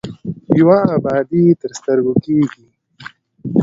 یوه ابادي یې تر سترګو کېږي.